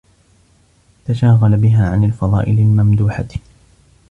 تَشَاغَلَ بِهَا عَنْ الْفَضَائِلِ الْمَمْدُوحَةِ